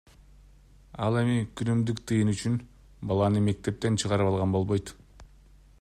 Ал эми күнүмдүк тыйын үчүн баланы мектептен чыгарып алган болбойт.